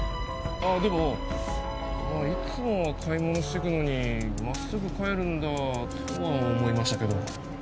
でもいつもは買い物してくのに真っすぐ帰るんだとは思いましたけど。